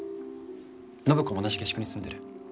暢子も同じ下宿に住んでる。